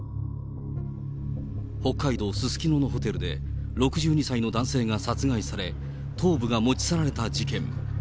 北海道すすきののホテルで、６２歳の男性が殺害され、頭部が持ち去られた事件。